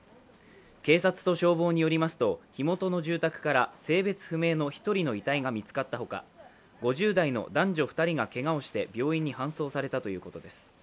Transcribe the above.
警察と消防によりますと火元の住宅から性別不明の１人の遺体が見つかったほか、５０代の男女２人がけがをして病院に搬送されたということです。